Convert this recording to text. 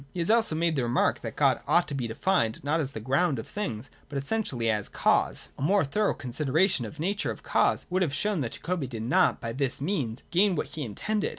He has also made the remark that God ought to be defined not as the ground of things, but essentially as cause. A more thorough considera tion of the nature of cause would have shown that Jacobi did not by this means gain what he intended.